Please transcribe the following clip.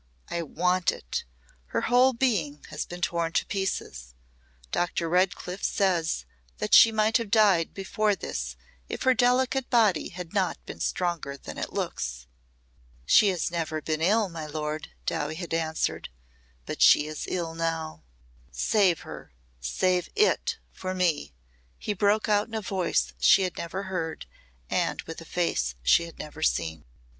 I want it. Her whole being has been torn to pieces. Dr. Redcliff says that she might have died before this if her delicate body had not been stronger than it looks." "She has never been ill, my lord," Dowie had answered, " but she is ill now." "Save her save it for me," he broke out in a voice she had never heard and with a face she had never seen.